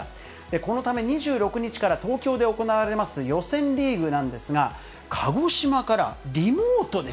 このため２６日から東京で行われます予選リーグなんですが、鹿児島から？